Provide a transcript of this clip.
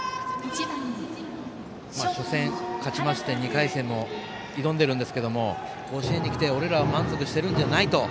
初戦、勝ちまして２回戦も挑んでるんですけども甲子園に来て俺らは満足してるんじゃないと。